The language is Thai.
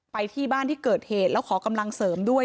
ไปที่บ้านที่เกิดเหตุแล้วขอกำลังเสริมด้วย